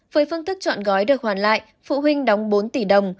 với phương thức chọn gói được hoàn lại phụ huynh đóng bốn tỷ đồng